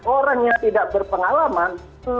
orang yang tidak berpengalaman